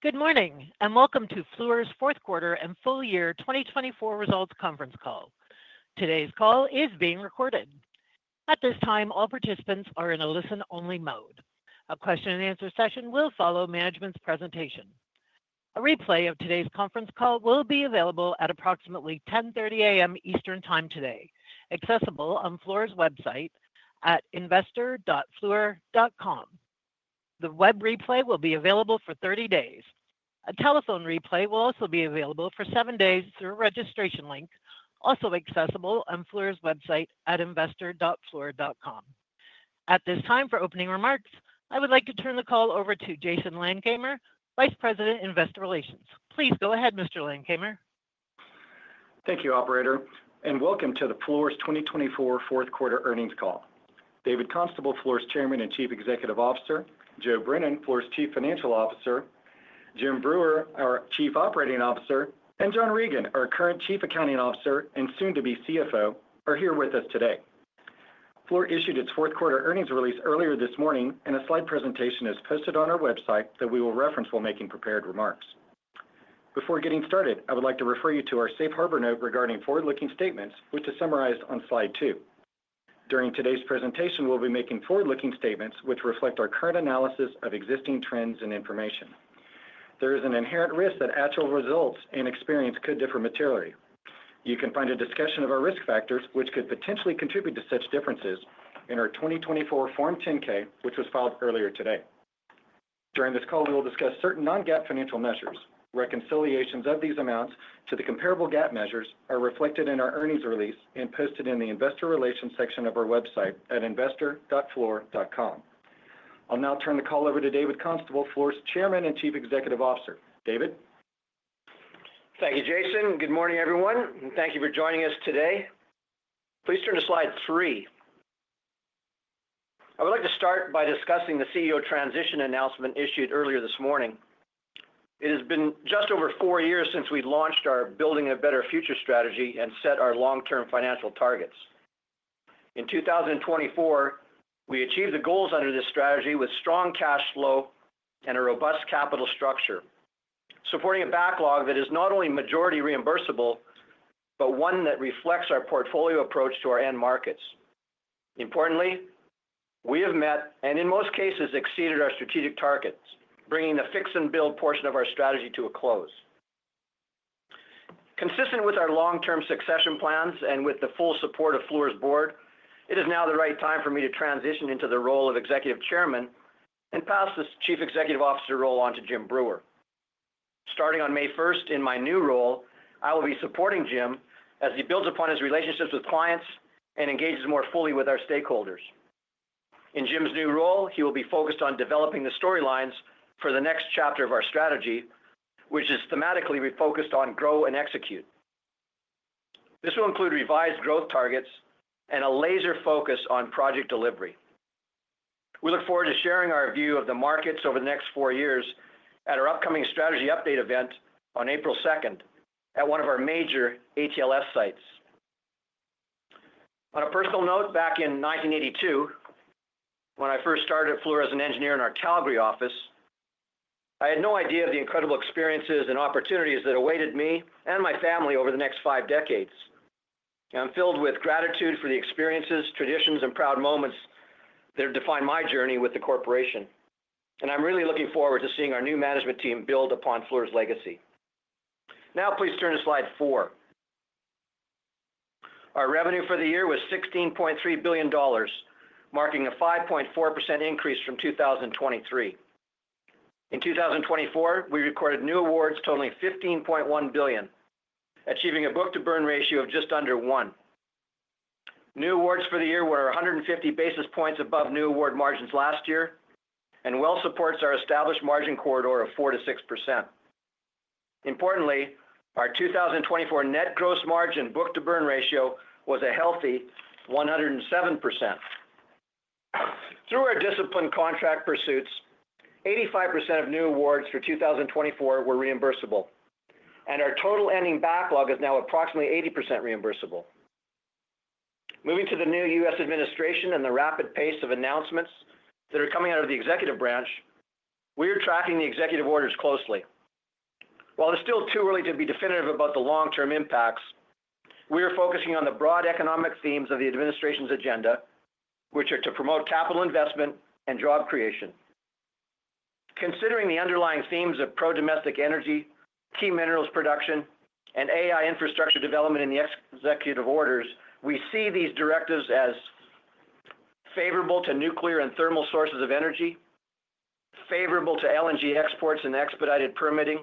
Good morning and welcome to Fluor's fourth quarter and full year 2024 results conference call. Today's call is being recorded. At this time, all participants are in a listen-only mode. A question-and-answer session will follow management's presentation. A replay of today's conference call will be available at approximately 10:30 A.M. Eastern Time today, accessible on Fluor's website at investor.fluor.com. The web replay will be available for 30 days. A telephone replay will also be available for seven days through a registration link, also accessible on Fluor's website at investor.fluor.com. At this time, for opening remarks, I would like to turn the call over to Jason Landkamer, Vice President, Investor Relations. Please go ahead, Mr. Landkamer. Thank you, Operator, and welcome to the Fluor's 2024 fourth quarter earnings call. David Constable, Fluor's Chairman and Chief Executive Officer, Joe Brennan, Fluor's Chief Financial Officer, Jim Breuer, our Chief Operating Officer, and John Regan, our current Chief Accounting Officer and soon-to-be CFO, are here with us today. Fluor issued its fourth quarter earnings release earlier this morning, and a slide presentation is posted on our website that we will reference while making prepared remarks. Before getting started, I would like to refer you to our Safe Harbor Note regarding forward-looking statements, which is summarized on slide two. During today's presentation, we'll be making forward-looking statements, which reflect our current analysis of existing trends and information. There is an inherent risk that actual results and experience could differ materially. You can find a discussion of our risk factors, which could potentially contribute to such differences, in our 2024 Form 10-K, which was filed earlier today. During this call, we will discuss certain non-GAAP financial measures. Reconciliations of these amounts to the comparable GAAP measures are reflected in our earnings release and posted in the Investor Relations section of our website at investor.fluor.com. I'll now turn the call over to David Constable, Fluor's Chairman and Chief Executive Officer. David. Thank you, Jason. Good morning, everyone, and thank you for joining us today. Please turn to slide three. I would like to start by discussing the CEO transition announcement issued earlier this morning. It has been just over four years since we launched our Building a Better Future strategy and set our long-term financial targets. In 2024, we achieved the goals under this strategy with strong cash flow and a robust capital structure, supporting a backlog that is not only majority reimbursable but one that reflects our portfolio approach to our end markets. Importantly, we have met and, in most cases, exceeded our strategic targets, bringing the Fix and Build portion of our strategy to a close. Consistent with our long-term succession plans and with the full support of Fluor's Board, it is now the right time for me to transition into the role of Executive Chairman and pass this Chief Executive Officer role on to Jim Breuer. Starting on May 1st, in my new role, I will be supporting Jim as he builds upon his relationships with clients and engages more fully with our stakeholders. In Jim's new role, he will be focused on developing the storylines for the next chapter of our strategy, which is thematically focused on Grow & Execute. This will include revised growth targets and a laser focus on project delivery. We look forward to sharing our view of the markets over the next four years at our upcoming strategy update event on April 2nd at one of our major AT&LS sites. On a personal note, back in 1982, when I first started at Fluor as an engineer in our Calgary office, I had no idea of the incredible experiences and opportunities that awaited me and my family over the next five decades. I'm filled with gratitude for the experiences, traditions, and proud moments that have defined my journey with the corporation, and I'm really looking forward to seeing our new management team build upon Fluor's legacy. Now, please turn to slide four. Our revenue for the year was $16.3 billion, marking a 5.4% increase from 2023. In 2024, we recorded new awards totaling $15.1 billion, achieving a book-to-burn ratio of just under one. New awards for the year were 150 basis points above new award margins last year and well supports our established margin corridor of 4%-6%. Importantly, our 2024 net gross margin book-to-burn ratio was a healthy 107%. Through our disciplined contract pursuits, 85% of new awards for 2024 were reimbursable, and our total ending backlog is now approximately 80% reimbursable. Moving to the new U.S. administration and the rapid pace of announcements that are coming out of the executive branch, we are tracking the executive orders closely. While it's still too early to be definitive about the long-term impacts, we are focusing on the broad economic themes of the administration's agenda, which are to promote capital investment and job creation. Considering the underlying themes of pro-domestic energy, key minerals production, and AI infrastructure development in the executive orders, we see these directives as favorable to nuclear and thermal sources of energy, favorable to LNG exports and expedited permitting,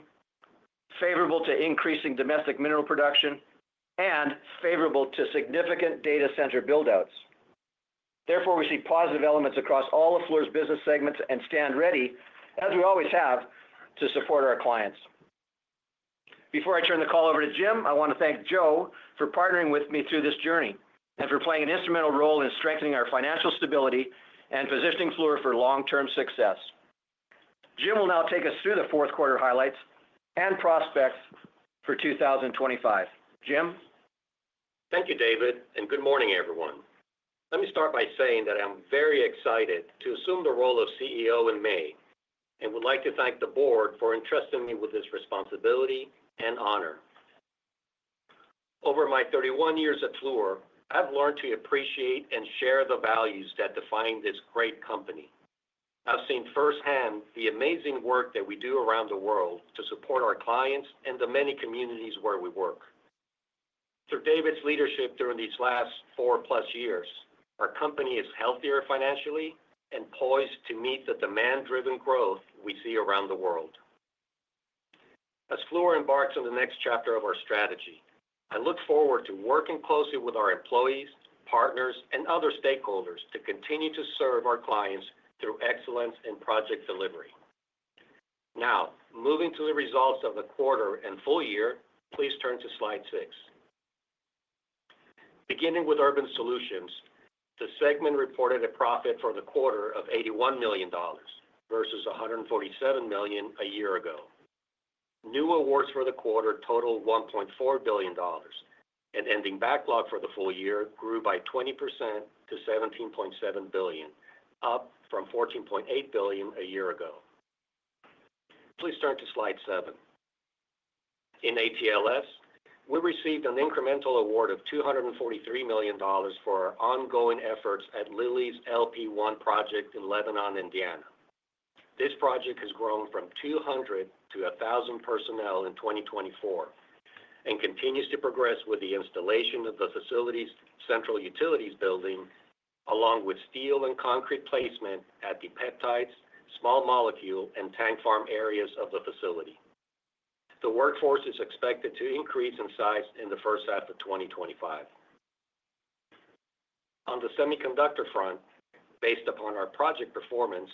favorable to increasing domestic mineral production, and favorable to significant data center buildouts. Therefore, we see positive elements across all of Fluor's business segments and stand ready, as we always have, to support our clients. Before I turn the call over to Jim, I want to thank Joe for partnering with me through this journey and for playing an instrumental role in strengthening our financial stability and positioning Fluor for long-term success. Jim will now take us through the fourth quarter highlights and prospects for 2025. Jim. Thank you, David, and good morning, everyone. Let me start by saying that I'm very excited to assume the role of CEO in May and would like to thank the Board for entrusting me with this responsibility and honor. Over my 31 years at Fluor, I've learned to appreciate and share the values that define this great company. I've seen firsthand the amazing work that we do around the world to support our clients and the many communities where we work. Through David's leadership during these last four-plus years, our company is healthier financially and poised to meet the demand-driven growth we see around the world. As Fluor embarks on the next chapter of our strategy, I look forward to working closely with our employees, partners, and other stakeholders to continue to serve our clients through excellence in project delivery. Now, moving to the results of the quarter and full year, please turn to slide six. Beginning with Urban Solutions, the segment reported a profit for the quarter of $81 million versus $147 million a year ago. New awards for the quarter totaled $1.4 billion, and ending backlog for the full year grew by 20% to $17.7 billion, up from $14.8 billion a year ago. Please turn to slide seven. In AT&LS, we received an incremental award of $243 million for our ongoing efforts at Lilly's LP1 project in Lebanon, Indiana. This project has grown from 200 to 1,000 personnel in 2024 and continues to progress with the installation of the facility's central utilities building, along with steel and concrete placement at the peptides, small molecule, and tank farm areas of the facility. The workforce is expected to increase in size in the first half of 2025. On the semiconductor front, based upon our project performance,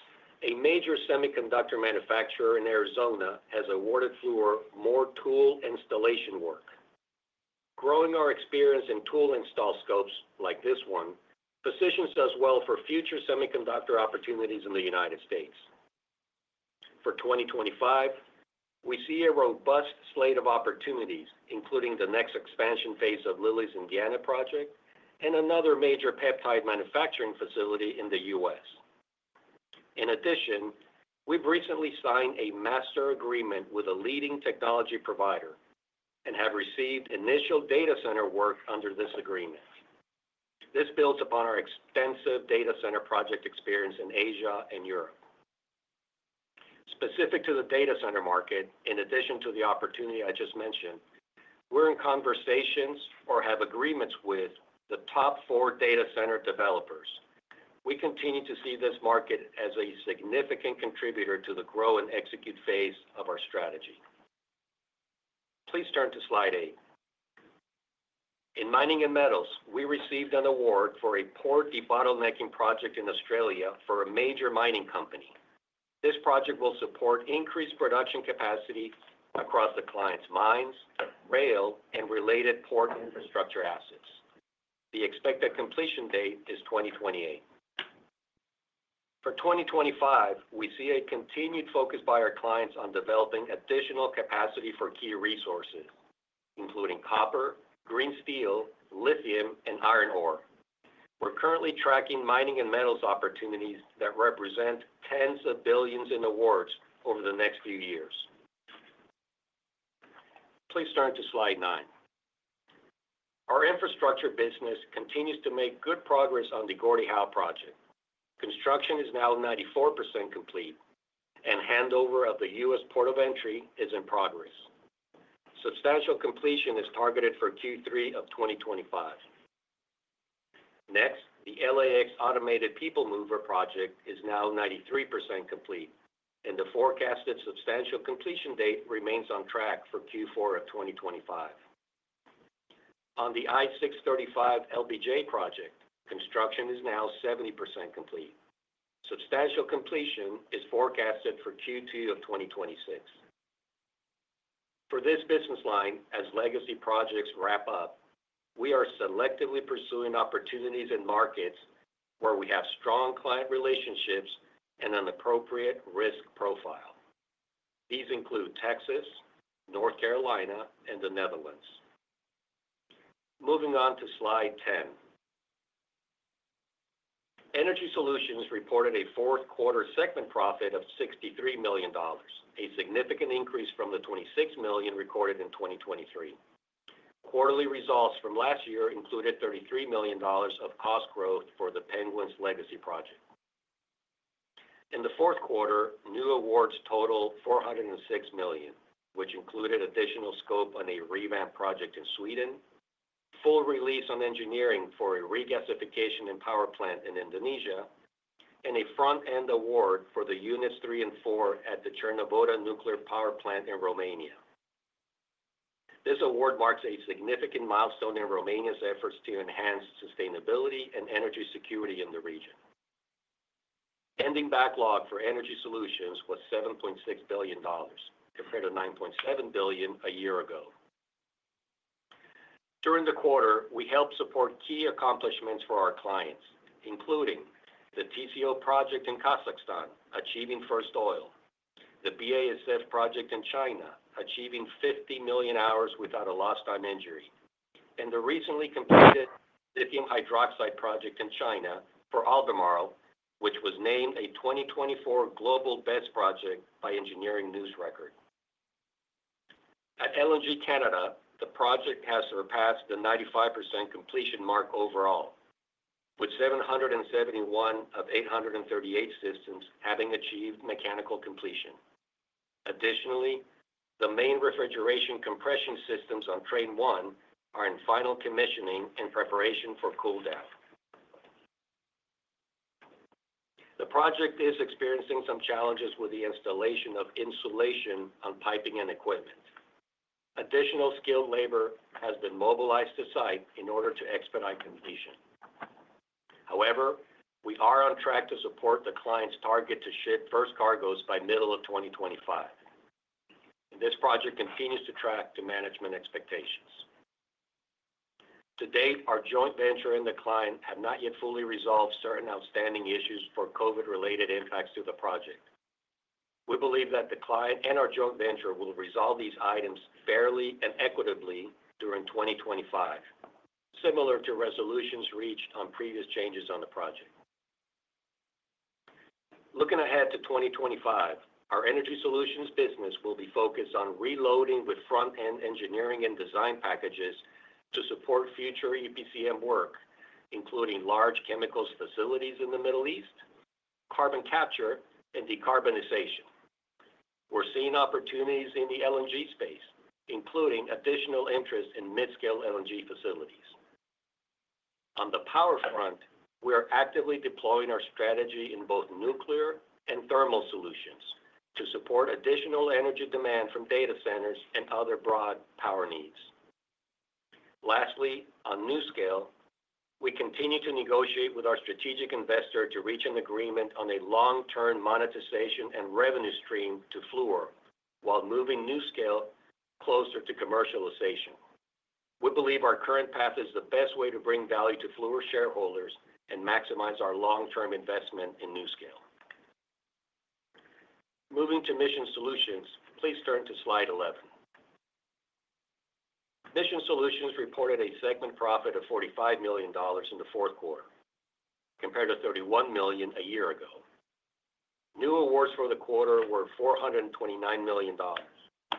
a major semiconductor manufacturer in Arizona has awarded Fluor more tool installation work. Growing our experience in tool install scopes like this one positions us well for future semiconductor opportunities in the United States. For 2025, we see a robust slate of opportunities, including the next expansion phase of Lilly's Indiana project and another major peptide manufacturing facility in the U.S. In addition, we've recently signed a master agreement with a leading technology provider and have received initial data center work under this agreement. This builds upon our extensive data center project experience in Asia and Europe.Specific to the data center market, in addition to the opportunity I just mentioned, we're in conversations or have agreements with the top four data center developers. We continue to see this market as a significant contributor to the Grow & Execute phase of our strategy. Please turn to slide eight. In Mining & Metals, we received an award for a port debottlenecking project in Australia for a major mining company. This project will support increased production capacity across the client's mines, rail, and related port infrastructure assets. The expected completion date is 2028. For 2025, we see a continued focus by our clients on developing additional capacity for key resources, including copper, green steel, lithium, and iron ore. We're currently tracking Mining & Metals opportunities that represent tens of billions in awards over the next few years. Please turn to slide nine. Our Infrastructure business continues to make good progress on the Gordie Howe project. Construction is now 94% complete, and handover of the U.S. port of entry is in progress. Substantial completion is targeted for Q3 of 2025. Next, the LAX Automated People Mover project is now 93% complete, and the forecasted substantial completion date remains on track for Q4 of 2025. On the I-635 LBJ project, construction is now 70% complete. Substantial completion is forecasted for Q2 of 2026. For this business line, as legacy projects wrap up, we are selectively pursuing opportunities in markets where we have strong client relationships and an appropriate risk profile. These include Texas, North Carolina, and the Netherlands. Moving on to slide ten. Energy Solutions reported a fourth quarter segment profit of $63 million, a significant increase from the $26 million recorded in 2023. Quarterly results from last year included $33 million of cost growth for the Penguins legacy project. In the fourth quarter, new awards totaled $406 million, which included additional scope on a revamped project in Sweden, full release on engineering for a regasification and power plant in Indonesia, and a front-end award for the Units 3 and 4 at the Cernavoda Nuclear Power Plant in Romania. This award marks a significant milestone in Romania's efforts to enhance sustainability and energy security in the region. Ending backlog for Energy Solutions was $7.6 billion, compared to $9.7 billion a year ago. During the quarter, we helped support key accomplishments for our clients, including the TCO project in Kazakhstan achieving first oil, the BASF project in China achieving 50 million hours without a lost-time injury, and the recently completed lithium hydroxide project in China for Albemarle, which was named a 2024 Global Best Project by Engineering News-Record. At LNG Canada, the project has surpassed the 95% completion mark overall, with 771 of 838 systems having achieved mechanical completion. Additionally, the main refrigeration compression systems on Train 1 are in final commissioning in preparation for cooldown. The project is experiencing some challenges with the installation of insulation on piping and equipment. Additional skilled labor has been mobilized to site in order to expedite completion. However, we are on track to support the client's target to ship first cargoes by middle of 2025. This project continues to track the management expectations. To date, our joint venture and the client have not yet fully resolved certain outstanding issues for COVID-related impacts to the project. We believe that the client and our joint venture will resolve these items fairly and equitably during 2025, similar to resolutions reached on previous changes on the project. Looking ahead to 2025, our Energy Solutions business will be focused on reloading with front-end engineering and design packages to support future EPCM work, including large chemicals facilities in the Middle East, carbon capture, and decarbonization. We're seeing opportunities in the LNG space, including additional interest in mid-scale LNG facilities. On the power front, we are actively deploying our strategy in both nuclear and thermal solutions to support additional energy demand from data centers and other broad power needs. Lastly, on NuScale, we continue to negotiate with our strategic investor to reach an agreement on a long-term monetization and revenue stream to Fluor while moving NuScale closer to commercialization. We believe our current path is the best way to bring value to Fluor shareholders and maximize our long-term investment in NuScale. Moving to Mission Solutions, please turn to slide 11. Mission Solutions reported a segment profit of $45 million in the fourth quarter, compared to $31 million a year ago. New awards for the quarter were $429 million,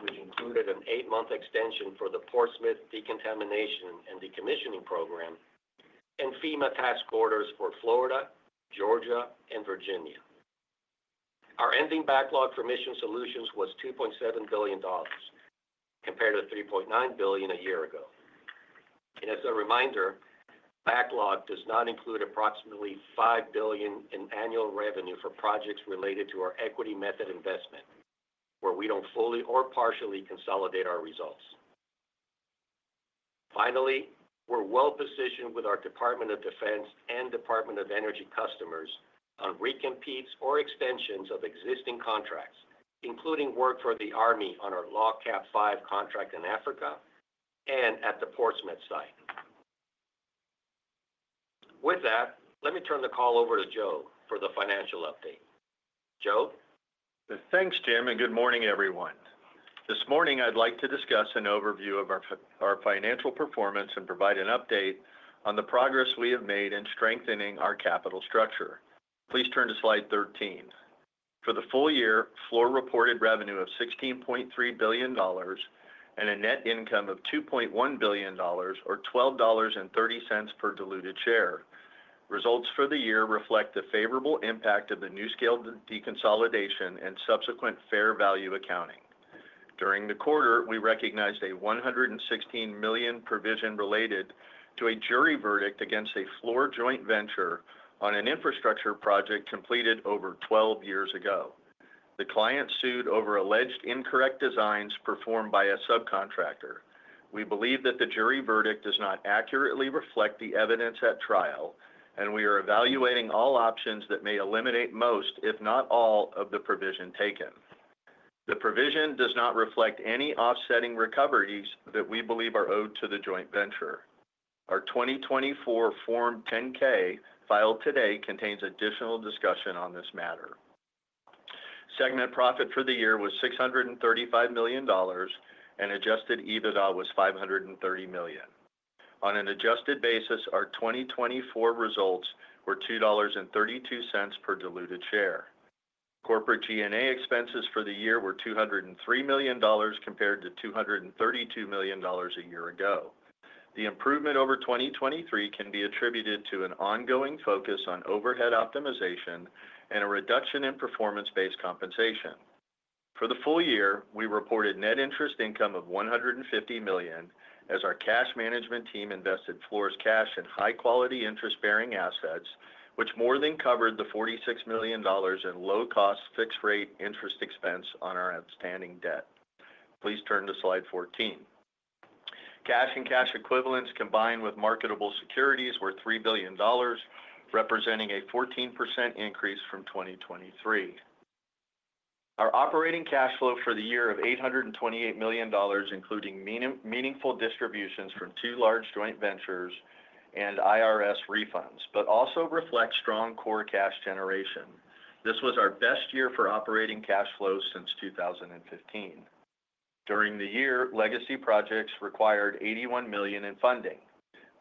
which included an eight-month extension for the Portsmouth Decontamination and Decommissioning Program and FEMA task orders for Florida, Georgia, and Virginia. Our ending backlog for Mission Solutions was $2.7 billion, compared to $3.9 billion a year ago, and as a reminder, backlog does not include approximately $5 billion in annual revenue for projects related to our equity method investment, where we don't fully or partially consolidate our results. Finally, we're well positioned with our Department of Defense and Department of Energy customers on recompetes or extensions of existing contracts, including work for the Army on our LOGCAP V contract in Africa and at the Portsmouth site. With that, let me turn the call over to Joe for the financial update. Joe. Thanks, Jim, and good morning, everyone. This morning, I'd like to discuss an overview of our financial performance and provide an update on the progress we have made in strengthening our capital structure. Please turn to slide 13. For the full year, Fluor reported revenue of $16.3 billion and a net income of $2.1 billion, or $12.30 per diluted share. Results for the year reflect the favorable impact of the NuScale deconsolidation and subsequent fair value accounting. During the quarter, we recognized a $116 million provision related to a jury verdict against a Fluor joint venture on an Infrastructure project completed over 12 years ago. The client sued over alleged incorrect designs performed by a subcontractor We believe that the jury verdict does not accurately reflect the evidence at trial, and we are evaluating all options that may eliminate most, if not all, of the provision taken. The provision does not reflect any offsetting recoveries that we believe are owed to the joint venture. Our 2024 Form 10-K filed today contains additional discussion on this matter. Segment profit for the year was $635 million, and adjusted EBITDA was $530 million. On an adjusted basis, our 2024 results were $2.32 per diluted share. Corporate G&A expenses for the year were $203 million, compared to $232 million a year ago. The improvement over 2023 can be attributed to an ongoing focus on overhead optimization and a reduction in performance-based compensation. For the full year, we reported net interest income of $150 million, as our cash management team invested Fluor's cash in high-quality interest-bearing assets, which more than covered the $46 million in low-cost fixed-rate interest expense on our outstanding debt. Please turn to slide 14. Cash and cash equivalents combined with marketable securities were $3 billion, representing a 14% increase from 2023. Our operating cash flow for the year of $828 million, including meaningful distributions from two large joint ventures and IRS refunds, but also reflects strong core cash generation. This was our best year for operating cash flow since 2015. During the year, legacy projects required $81 million in funding.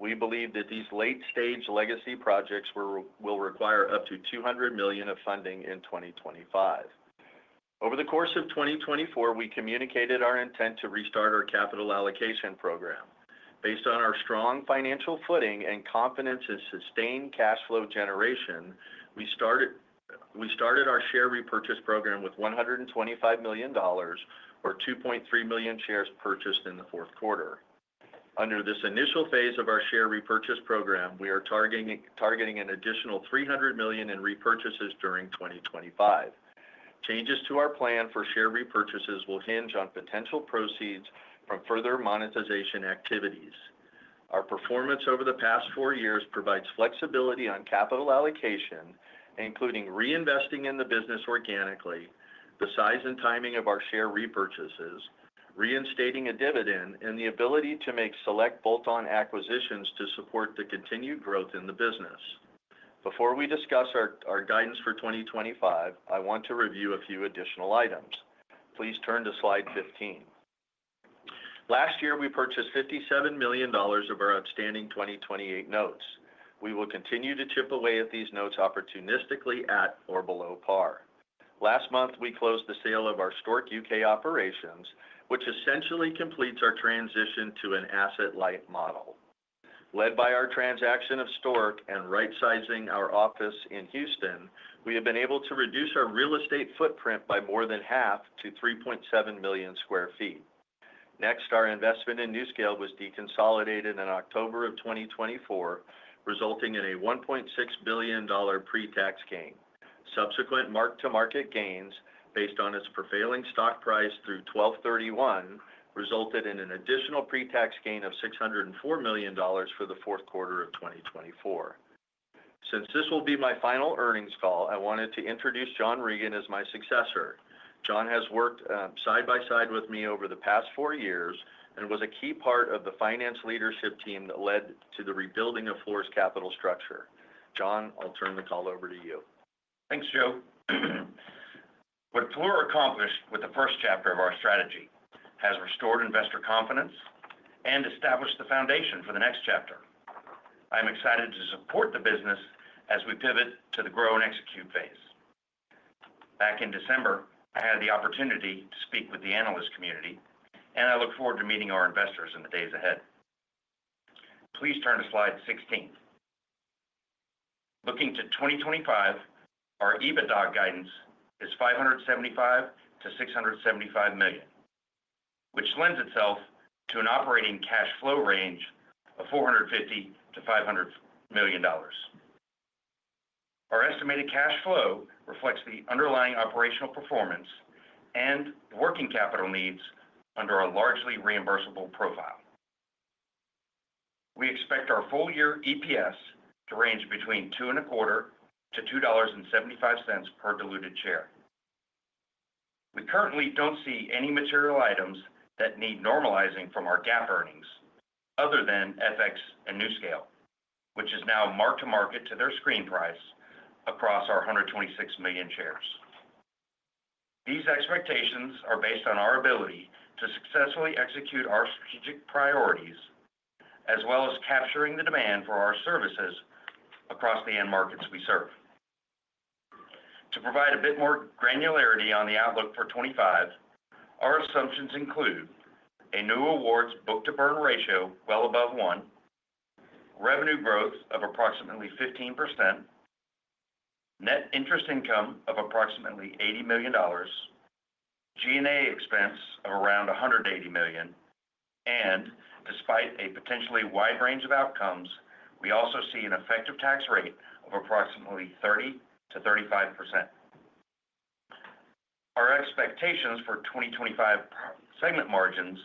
We believe that these late-stage legacy projects will require up to $200 million of funding in 2025. Overthe course of 2024, we communicated our intent to restart our capital allocation program. Based on our strong financial footing and confidence in sustained cash flow generation, we started our share repurchase program with $125 million, or 2.3 million shares purchased in the fourth quarter. Under this initial phase of our share repurchase program, we are targeting an additional $300 million in repurchases during 2025. Changes to our plan for share repurchases will hinge on potential proceeds from further monetization activities. Our performance over the past four years provides flexibility on capital allocation, including reinvesting in the business organically, the size and timing of our share repurchases, reinstating a dividend, and the ability to make select bolt-on acquisitions to support the continued growth in the business. Before we discuss our guidance for 2025, I want to review a few additional items. Please turn to slide 15. Last year, we purchased $57 million of our outstanding 2028 notes. We will continue to chip away at these notes opportunistically at or below par. Last month, we closed the sale of our Stork U.K. operations, which essentially completes our transition to an asset-light model. Led by our transaction of Stork and rightsizing our office in Houston, we have been able to reduce our real estate footprint by more than half to 3.7 million sq ft. Next, our investment in NuScale was deconsolidated in October of 2024, resulting in a $1.6 billion pre-tax gain. Subsequent mark-to-market gains based on its prevailing stock price through 12/31 resulted in an additional pre-tax gain of $604 million for the fourth quarter of 2024. Since this will be my final earnings call, I wanted to introduce John Regan as my successor. John has worked side by side with me over the past four years and was a key part of the finance leadership team that led to the rebuilding of Fluor's capital structure. John, I'll turn the call over to you. Thanks, Joe. What Fluor accomplished with the first chapter of our strategy has restored investor confidence and established the foundation for the next chapter. I'm excited to support the business as we pivot to the Grow & Execute phase. Back in December, I had the opportunity to speak with the analyst community, and I look forward to meeting our investors in the days ahead. Please turn to slide 16. Looking to 2025, our EBITDA guidance is $575-$675 million, which lends itself to an operating cash flow range of $450-$500 million. Our estimated cash flow reflects the underlying operational performance and working capital needs under our largely reimbursable profile. We expect our full-year EPS to range between $2.25-$2.75 per diluted share. We currently don't see any material items that need normalizing from our GAAP earnings other than FX and NuScale, which is now marked to market to their screen price across our 126 million shares. These expectations are based on our ability to successfully execute our strategic priorities, as well as capturing the demand for our services across the end markets we serve. To provide a bit more granularity on the outlook for 2025, our assumptions include a new awards book-to-burn ratio well above one, revenue growth of approximately 15%, net interest income of approximately $80 million, G&A expense of around $180 million, and despite a potentially wide range of outcomes, we also see an effective tax rate of approximately 30%-35%. Our expectations for 2025 segment margins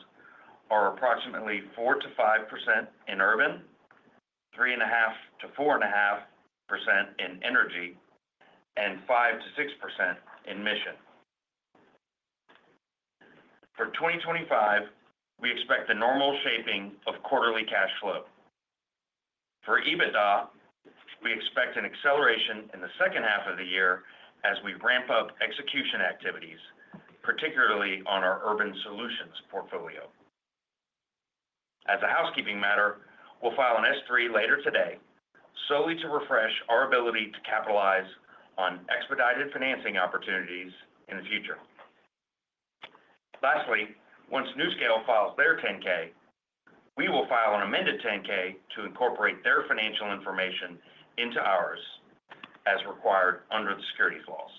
are approximately 4%-5% in Urban, 3.5%-4.5% in energy, and 5%-6% in mission. For 2025, we expect the normal shaping of quarterly cash flow. For EBITDA, we expect an acceleration in the second half of the year as we ramp up execution activities, particularly on our Urban Solutions portfolio. As a housekeeping matter, we'll file an S-3 later today, solely to refresh our ability to capitalize on expedited financing opportunities in the future. Lastly, once NuScale files their 10-K, we will file an amended 10-K to incorporate their financial information into ours as required under the securities laws.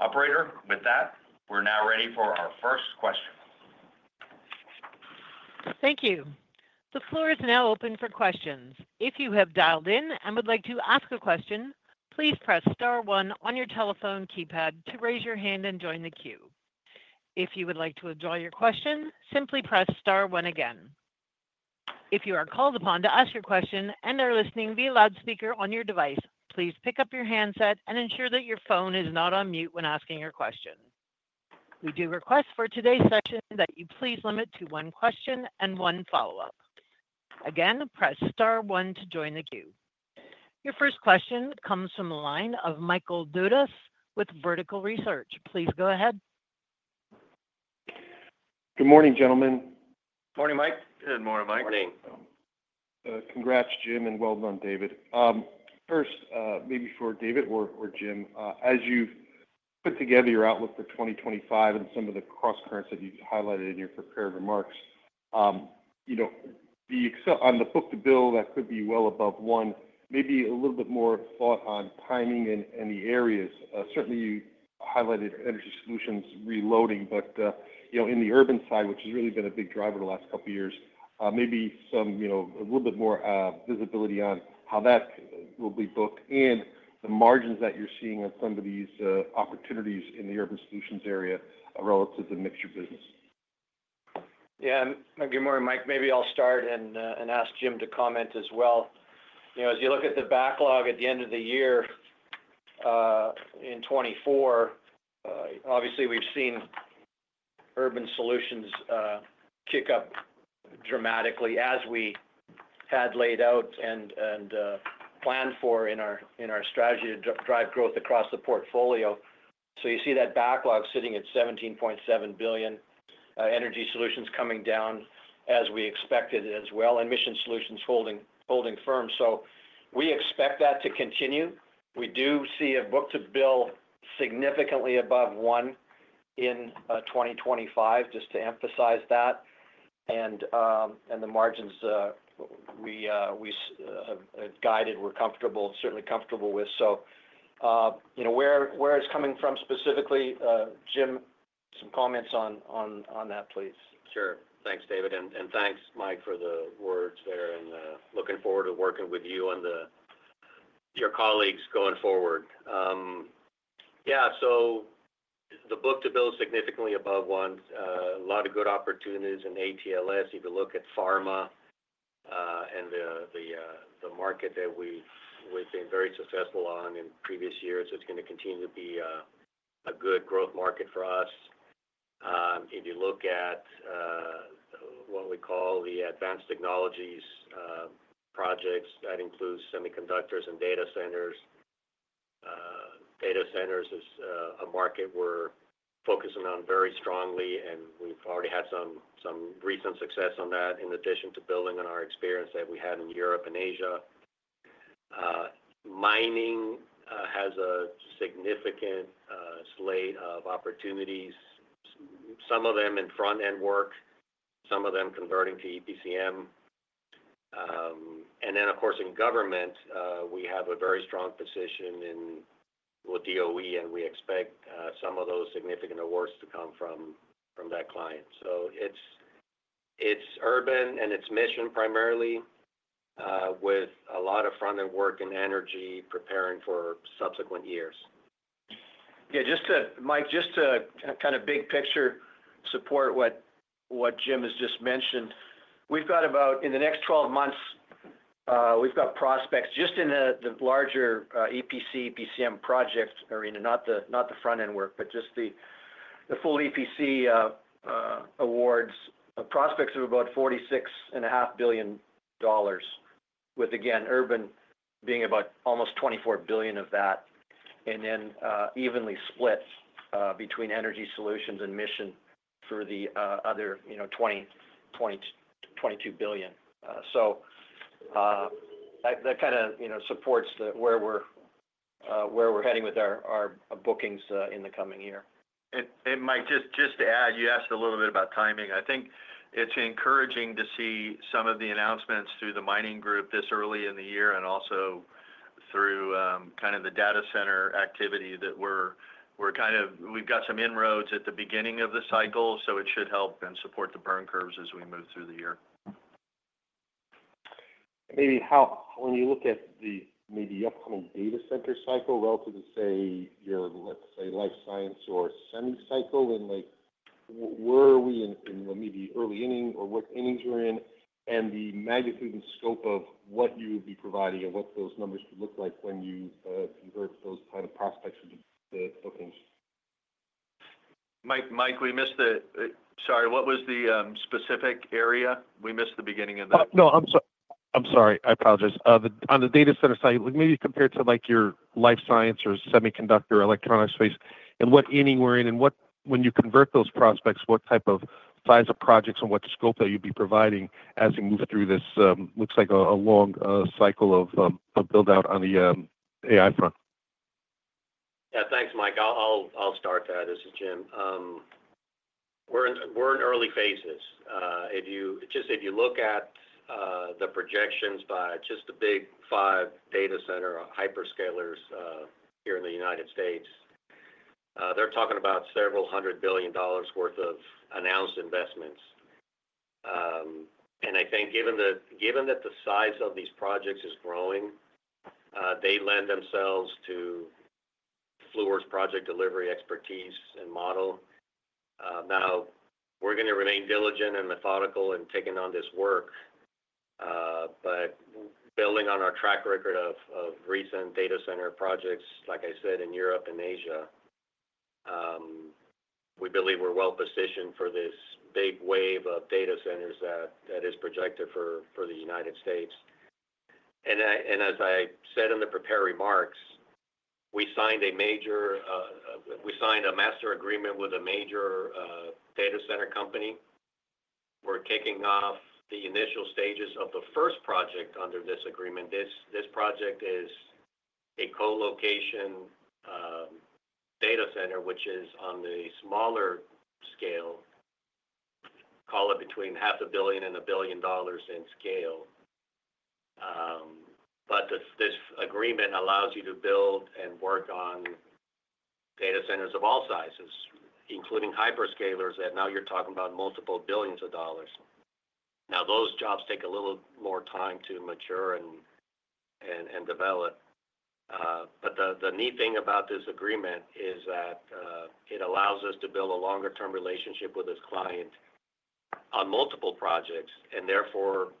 Operator, with that, we're now ready for our first question. Thank you. The floor is now open for questions. If you have dialed in and would like to ask a question, please press Star 1 on your telephone keypad to raise your hand and join the queue. If you would like to withdraw your question, simply press Star 1 again. If you are called upon to ask your question and are listening via loudspeaker on your device, please pick up your handset and ensure that your phone is not on mute when asking your question. We do request for today's session that you please limit to one question and one follow-up. Again, press Star 1 to join the queue. Your first question comes from the line of Michael Dudas with Vertical Research Partners. Please go ahead. Good morning, gentlemen. Good morning, Mike. Good morning, Mike. Morning. Congrats, Jim, and well done, David. First, maybe for David or Jim, as you put together your outlook for 2025 and some of the cross-currents that you highlighted in your prepared remarks, on the book-to-bill, that could be well above one. Maybe a little bit more thought on timing and the areas. Certainly, you highlighted Energy Solutions reloading, but in the Urban side, which has really been a big driver the last couple of years, maybe a little bit more visibility on how that will be booked and the margins that you're seeing on some of these opportunities in the Urban Solutions area relative to mixture business. Yeah. Good morning, Mike. Maybe I'll start and ask Jim to comment as well. As you look at the backlog at the end of the year in 2024, obviously, we've seen Urban Solutions kick up dramatically as we had laid out and planned for in our strategy to drive growth across the portfolio. So you see that backlog sitting at $17.7 billion, Energy Solutions coming down as we expected as well, and mission solutions holding firm. So we expect that to continue. We do see a book-to-bill significantly above one in 2025, just to emphasize that. And the margins we have guided, we're certainly comfortable with. So where it's coming from specifically, Jim, some comments on that, please. Sure. Thanks, David. And thanks, Mike, for the words there. And looking forward to working with you and your colleagues going forward. Yeah. So the book-to-bill is significantly above one. A lot of good opportunities in AT&LS. If you look at pharma and the market that we've been very successful on in previous years, it's going to continue to be a good growth market for us. If you look at what we call the advanced technologies projects, that includes semiconductors and data centers. Data centers is a market we're focusing on very strongly, and we've already had some recent success on that in addition to building on our experience that we had in Europe and Asia. Mining has a significant slate of opportunities, some of them in front-end work, some of them converting to EPCM. And then, of course, in government, we have a very strong position with DOE, and we expect some of those significant awards to come from that client. So it's Urban and Mission primarily, with a lot of front-end work and energy preparing for subsequent years. Yeah. Mike, just to kind of big picture support what Jim has just mentioned, in the next 12 months, we've got prospects just in the larger EPC/EPCM projects, not the front-end work, but just the full EPC awards, prospects of about $46.5 billion, with, again, Urban being about almost $24 billion of that, and then evenly split between Energy Solutions and Mission Solutions for the other $22 billion. So that kind of supports where we're heading with our bookings in the coming year. Mike, just to add, you asked a little bit about timing. I think it's encouraging to see some of the announcements through the mining group this early in the year and also through kind of the data center activity that we're kind of, we've got some inroads at the beginning of the cycle, so it should help and support the burn curves as we move through the year. Maybe when you look at maybe the upcoming data center cycle relative to, say, your, let's say, life science or semi-cycle, where are we in maybe early inning or what innings we're in, and the magnitude and scope of what you would be providing and what those numbers would look like when you convert those kind of prospects into bookings? Mike, we missed the, sorry, what was the specific area? We missed the beginning of that. No, I'm sorry. I apologize. On the data center side, maybe compared to your life science or semiconductor electronics space, in what inning we're in and when you convert those prospects, what type of size of projects and what scope that you'd be providing as you move through this looks like a long cycle of build-out on the AI front? Yeah. Thanks, Mike. I'll start there. This is Jim. We're in early phases. Just if you look at the projections by just the big five data center hyperscalers here in the United States, they're talking about several hundred billion dollars' worth of announced investments, and I think given that the size of these projects is growing, they lend themselves to Fluor's project delivery expertise and model. Now, we're going to remain diligent and methodical in taking on this work, but building on our track record of recent data center projects, like I said, in Europe and Asia, we believe we're well-positioned for this big wave of data centers that is projected for the United States, and as I said in the prepared remarks, we signed a master agreement with a major data center company. We're kicking off the initial stages of the first project under this agreement. This project is a co-location data center, which is on the smaller scale, call it between $500 million and $1 billion in scale. But this agreement allows you to build and work on data centers of all sizes, including hyperscalers that now you're talking about multiple billions of dollars. Now, those jobs take a little more time to mature and develop. But the neat thing about this agreement is that it allows us to build a longer-term relationship with this client on multiple projects and therefore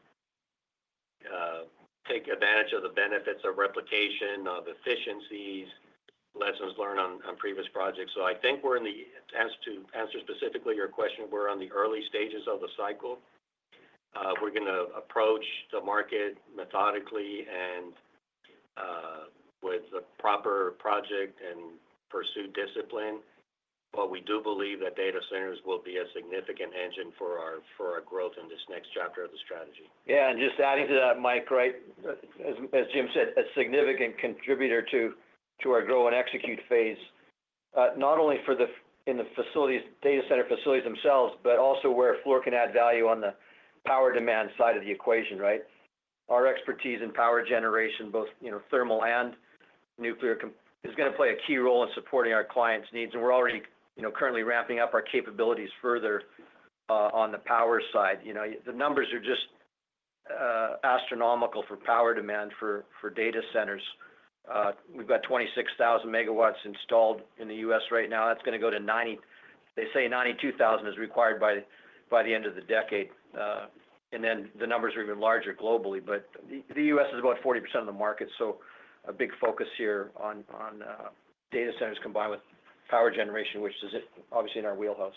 take advantage of the benefits of replication, of efficiencies, lessons learned on previous projects. So I think we're in the, to answer specifically your question, we're on the early stages of the cycle. We're going to approach the market methodically and with the proper project and pursue discipline. But we do believe that data centers will be a significant engine for our growth in this next chapter of the strategy. Yeah. And just adding to that, Mike, right? As Jim said, a significant contributor to our Grow & Execute phase, not only in the data center facilities themselves, but also where Fluor can add value on the power demand side of the equation, right? Our expertise in power generation, both thermal and nuclear, is going to play a key role in supporting our clients' needs. And we're already currently ramping up our capabilities further on the power side. The numbers are just astronomical for power demand for data centers. We've got 26,000 megawatts installed in the U.S. right now. That's going to go to, they say, 92,000 is required by the end of the decade. And then the numbers are even larger globally. But the U.S. is about 40% of the market. So a big focus here on data centers combined with power generation, which is obviously in our wheelhouse.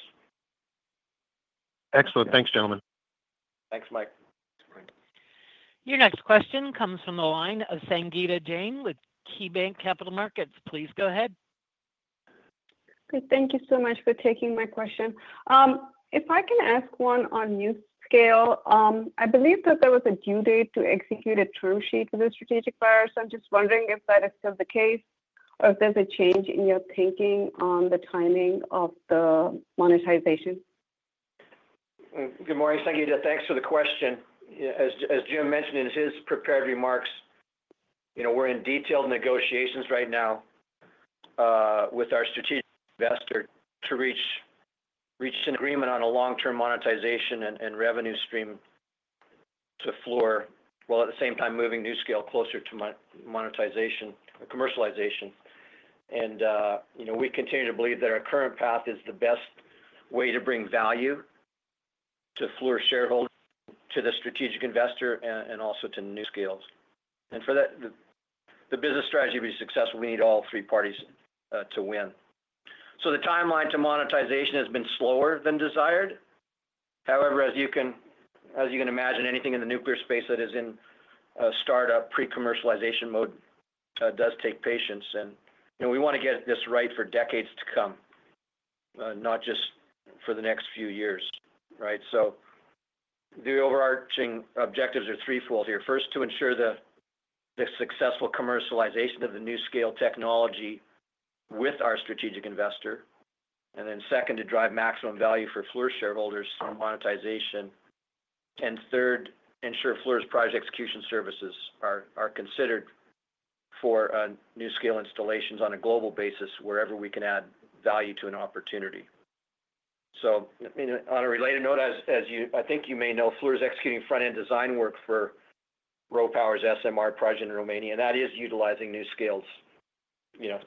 Excellent. Thanks, gentlemen. Thanks, Mike. Your next question comes from the line of Sangita Jain with KeyBanc Capital Markets. Please go ahead. Great. Thank you so much for taking my question. If I can ask one on NuScale, I believe that there was a due date to execute a term sheet for the strategic buyers. I'm just wondering if that is still the case or if there's a change in your thinking on the timing of the monetization? Good morning, Sangita. Thanks for the question. As Jim mentioned in his prepared remarks, we're in detailed negotiations right now with our strategic investor to reach an agreement on a long-term monetization and revenue stream to Fluor, while at the same time moving NuScale closer to monetization or commercialization, and we continue to believe that our current path is the best way to bring value to Fluor shareholders, to the strategic investor, and also to NuScale. And for the business strategy to be successful, we need all three parties to win. So the timeline to monetization has been slower than desired. However, as you can imagine, anything in the nuclear space that is in startup pre-commercialization mode does take patience, and we want to get this right for decades to come, not just for the next few years, right, so the overarching objectives are threefold here. First, to ensure the successful commercialization of the NuScale technology with our strategic investor. And then second, to drive maximum value for Fluor shareholders and monetization. And third, ensure Fluor's project execution services are considered for NuScale installations on a global basis wherever we can add value to an opportunity. So on a related note, as I think you may know, Fluor is executing front-end design work for RoPower's SMR project in Romania. And that is utilizing NuScale's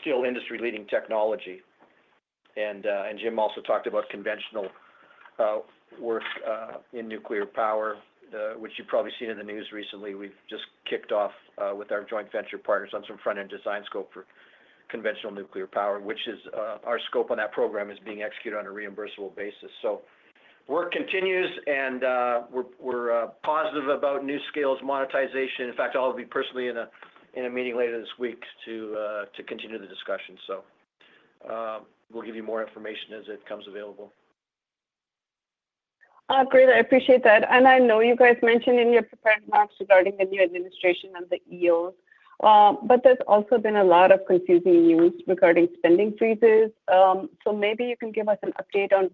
still industry-leading technology. And Jim also talked about conventional work in nuclear power, which you've probably seen in the news recently. We've just kicked off with our joint venture partners on some front-end design scope for conventional nuclear power, which our scope on that program is being executed on a reimbursable basis. So work continues, and we're positive about NuScale's monetization. In fact, I'll be personally in a meeting later this week to continue the discussion. So we'll give you more information as it comes available. Great. I appreciate that. And I know you guys mentioned in your prepared remarks regarding the new administration and the EOs. But there's also been a lot of confusing news regarding spending freezes. So maybe you can give us an update on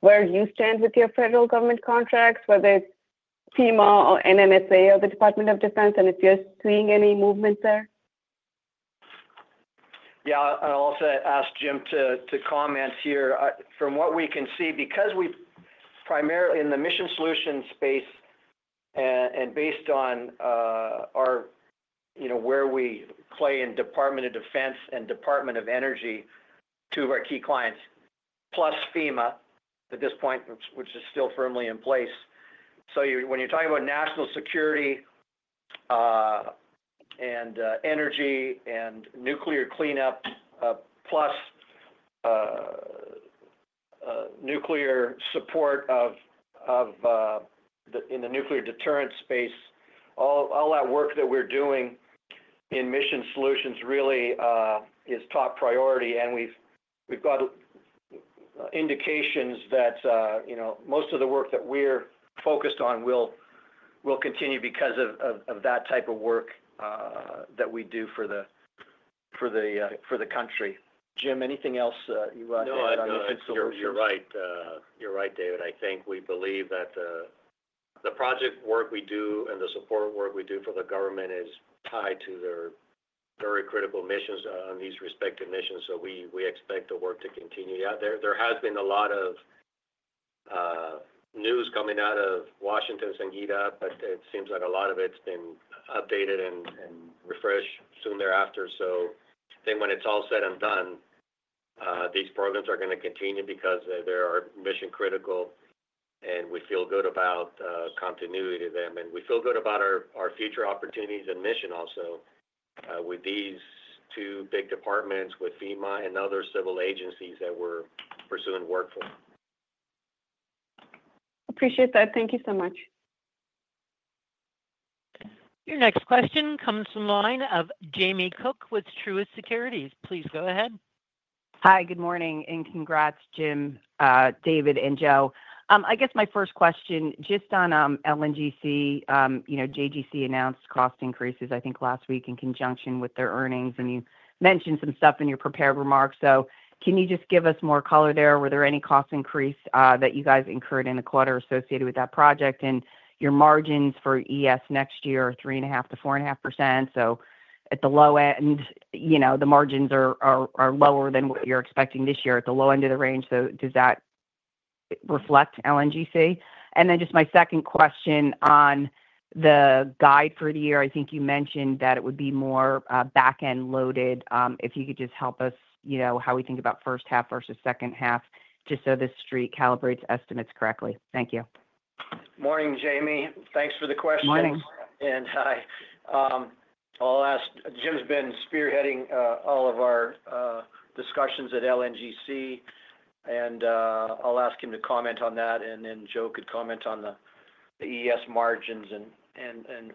where you stand with your federal government contracts, whether it's FEMA or NNSA or the Department of Defense, and if you're seeing any movements there. Yeah. I'll also ask Jim to comment here. From what we can see, because we're primarily in the mission solutions space and based on where we play in Department of Defense and Department of Energy to our key clients, plus FEMA at this point, which is still firmly in place. So when you're talking about national security and energy and nuclear cleanup, plus nuclear support in the nuclear deterrence space, all that work that we're doing in mission solutions really is top priority. And we've got indications that most of the work that we're focused on will continue because of that type of work that we do for the country. Jim, anything else you want to add on the mission solutions? No, you're right. You're right, David. I think we believe that the project work we do and the support work we do for the government is tied to their very critical missions on these respective missions. So we expect the work to continue. Yeah, there has been a lot of news coming out of Washington, Sangita, but it seems like a lot of it's been updated and refreshed soon thereafter. So I think when it's all said and done, these programs are going to continue because they are mission-critical, and we feel good about the continuity of them, and we feel good about our future opportunities and mission also with these two big departments, with FEMA and other civil agencies that we're pursuing work for. Appreciate that. Thank you so much. Your next question comes from the line of Jamie Cook with Truist Securities. Please go ahead. Hi, good morning, and congrats, Jim, David, and Joe. I guess my first question just on LNGC. JGC announced cost increases, I think, last week in conjunction with their earnings. And you mentioned some stuff in your prepared remarks. So can you just give us more color there? Were there any cost increases that you guys incurred in the quarter associated with that project? And your margins for ES next year are 3.5%-4.5%. So at the low end, the margins are lower than what you're expecting this year. At the low end of the range, so does that reflect LNGC? And then just my second question on the guide for the year. I think you mentioned that it would be more back-end loaded. If you could just help us how we think about first half versus second half, just so the street calibrates estimates correctly. Thank you. Morning, Jamie. Thanks for the question. Morning. And I'll ask Jim. He's been spearheading all of our discussions at LNG Canada. And I'll ask him to comment on that. And then Joe could comment on the ES margins. And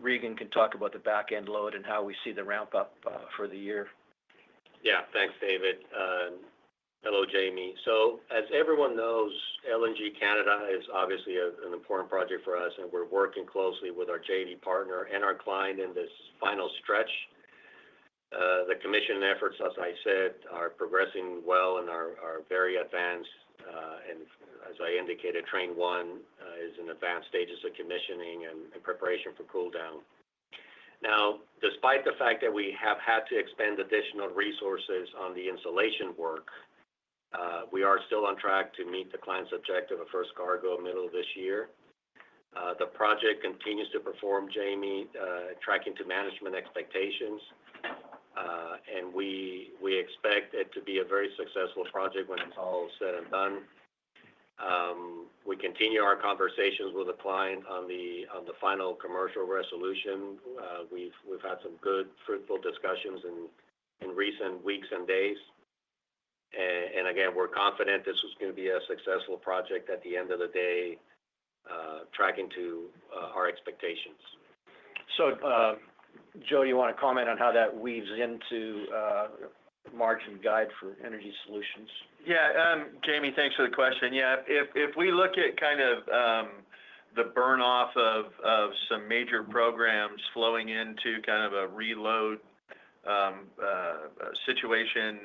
Regan can talk about the backlog and how we see the ramp-up for the year. Yeah. Thanks, David. Hello, Jamie. So as everyone knows, LNG Canada is obviously an important project for us. And we're working closely with our JGC partner and our client in this final stretch. The commissioning efforts, as I said, are progressing well and are very advanced. And as I indicated, Train 1 is in advanced stages of commissioning and preparation for cooldown. Now, despite the fact that we have had to expend additional resources on the installation work, we are still on track to meet the client's objective of first cargo middle of this year. The project continues to perform, Jamie, tracking to management expectations. And we expect it to be a very successful project when it's all said and done. We continue our conversations with the client on the final commercial resolution. We've had some good, fruitful discussions in recent weeks and days. Again, we're confident this is going to be a successful project at the end of the day, tracking to our expectations. So Joe, do you want to comment on how that weaves into March's guide for Energy Solutions? Yeah. Jamie, thanks for the question. Yeah. If we look at kind of the burn-off of some major programs flowing into kind of a reload situation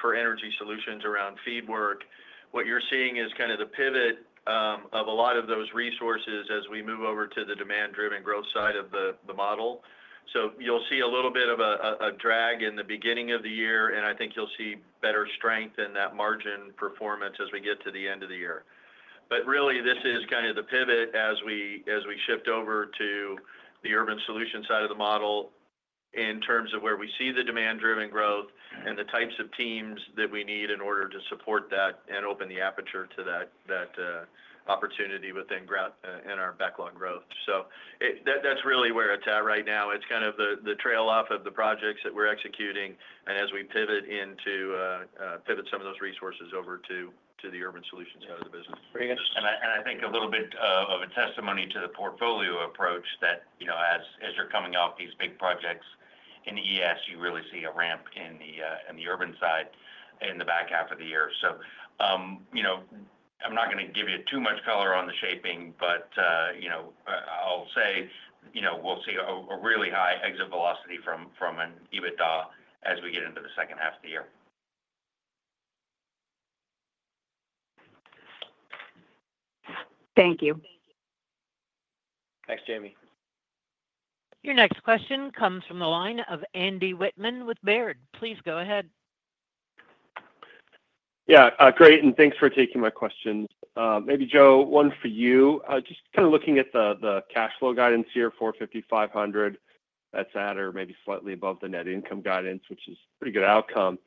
for Energy Solutions around FEED work, what you're seeing is kind of the pivot of a lot of those resources as we move over to the demand-driven growth side of the model. So you'll see a little bit of a drag in the beginning of the year. And I think you'll see better strength in that margin performance as we get to the end of the year. But really, this is kind of the pivot as we shift over to the Urban Solutions side of the model in terms of where we see the demand-driven growth and the types of teams that we need in order to support that and open the aperture to that opportunity within our backlog growth. So that's really where it's at right now. It's kind of the trail off of the projects that we're executing and as we pivot into some of those resources over to the Urban Solutions side of the business. Very interesting. And I think a little bit of a testimony to the portfolio approach that as you're coming off these big projects in ES, you really see a ramp in the Urban side in the back half of the year. So I'm not going to give you too much color on the shaping, but I'll say we'll see a really high exit velocity from an EBITDA as we get into the second half of the year. Thank you. Thanks, Jamie. Your next question comes from the line of Andy Whitman with Baird. Please go ahead. Yeah. Great. And thanks for taking my questions. Maybe, Joe, one for you. Just kind of looking at the cash flow guidance here, $450-500 million, that's at or maybe slightly above the net income guidance, which is a pretty good outcome.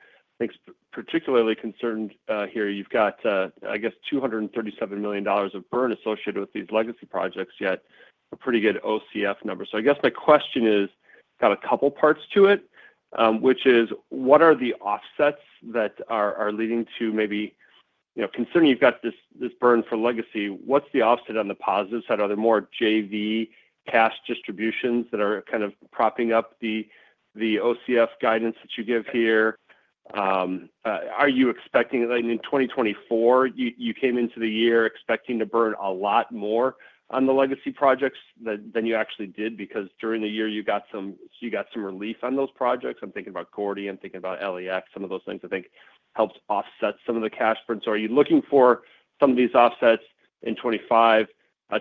I'm particularly concerned here. You've got, I guess, $237 million of burn associated with these legacy projects, yet a pretty good OCF number. So I guess my question has got a couple of parts to it, which is what are the offsets that are leading to maybe considering you've got this burn for legacy, what's the offset on the positive side? Are there more JV cash distributions that are kind of propping up the OCF guidance that you give here? Are you expecting in 2024, you came into the year expecting to burn a lot more on the legacy projects than you actually did because during the year, you got some relief on those projects. I'm thinking about Gordie. I'm thinking about LAX. Some of those things, I think, helped offset some of the cash burn. So are you looking for some of these offsets in 2025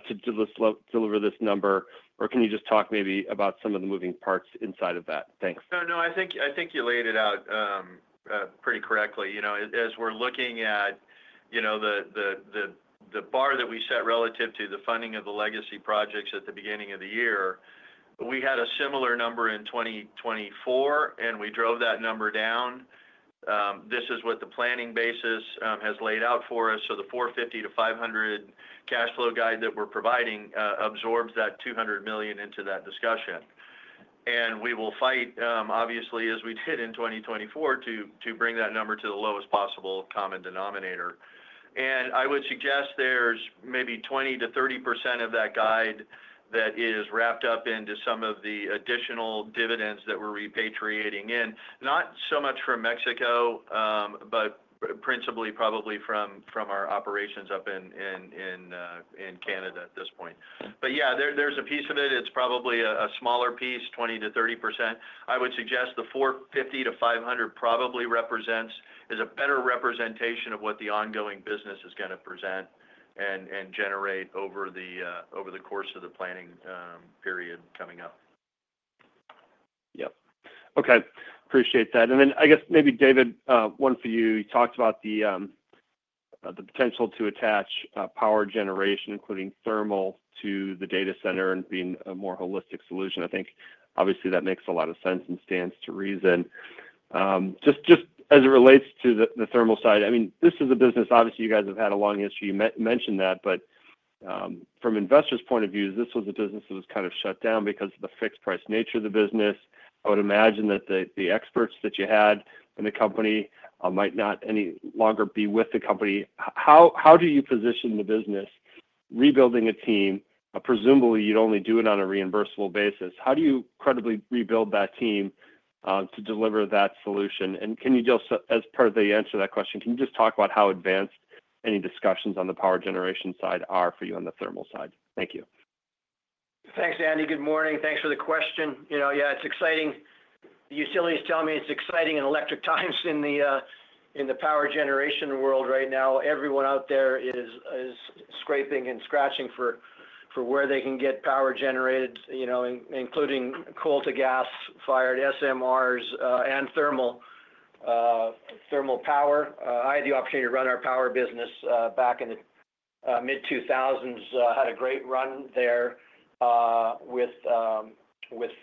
to deliver this number, or can you just talk maybe about some of the moving parts inside of that? Thanks. No, no. I think you laid it out pretty correctly. As we're looking at the bar that we set relative to the funding of the legacy projects at the beginning of the year, we had a similar number in 2024, and we drove that number down. This is what the planning basis has laid out for us. So the $450 million-$500 million cash flow guide that we're providing absorbs that $200 million into that discussion. And we will fight, obviously, as we did in 2024, to bring that number to the lowest possible common denominator. And I would suggest there's maybe 20%-30% of that guide that is wrapped up into some of the additional dividends that we're repatriating in, not so much from Mexico, but principally probably from our operations up in Canada at this point. But yeah, there's a piece of it. It's probably a smaller piece, 20%-30%. I would suggest the 450-500 probably represents is a better representation of what the ongoing business is going to present and generate over the course of the planning period coming up. Yep. Okay. Appreciate that. And then I guess maybe, David, one for you. You talked about the potential to attach power generation, including thermal, to the data center and being a more holistic solution. I think, obviously, that makes a lot of sense and stands to reason. Just as it relates to the thermal side, I mean, this is a business, obviously, you guys have had a long history. You mentioned that. But from investors' point of view, this was a business that was kind of shut down because of the fixed price nature of the business. I would imagine that the experts that you had in the company might not any longer be with the company. How do you position the business? Rebuilding a team, presumably, you'd only do it on a reimbursable basis. How do you credibly rebuild that team to deliver that solution? Can you just, as part of the answer to that question, can you just talk about how advanced any discussions on the power generation side are for you on the thermal side? Thank you. Thanks, Andy. Good morning. Thanks for the question. Yeah, it's exciting. The utilities tell me it's exciting in electrifying times in the power generation world right now. Everyone out there is scrambling and scratching for where they can get power generated, including coal, to gas-fired SMRs, and thermal power. I had the opportunity to run our power business back in the mid-2000s. Had a great run there with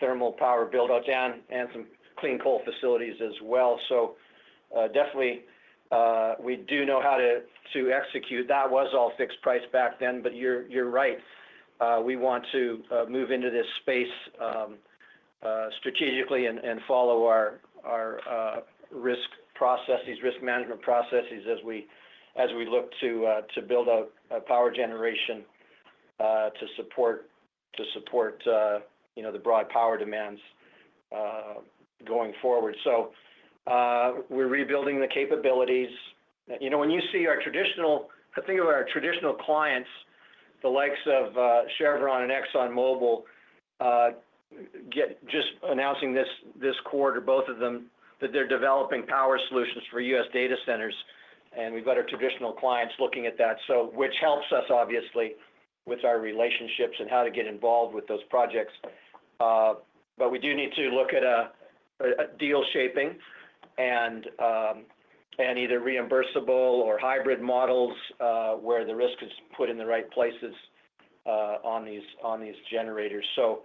thermal power buildup and some clean coal facilities as well. So definitely, we do know how to execute. That was all fixed price back then. But you're right. We want to move into this space strategically and follow our risk processes, risk management processes as we look to build out power generation to support the broad power demands going forward. So we're rebuilding the capabilities. When you see our traditional, I think of our traditional clients, the likes of Chevron and ExxonMobil, just announcing this quarter, both of them, that they're developing power solutions for U.S. data centers, and we've got our traditional clients looking at that, which helps us, obviously, with our relationships and how to get involved with those projects, but we do need to look at deal shaping and either reimbursable or hybrid models where the risk is put in the right places on these generators, so